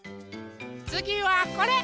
つぎはこれ。